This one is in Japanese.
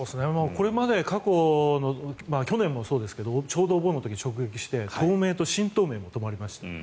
これまで過去、去年もそうですがちょうどお盆の時に直撃して東名と新東名も止まりました。